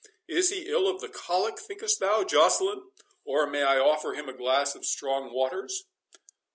—Is he ill of the colic, think'st thou, Joceline? Or, may I offer him a glass of strong waters?"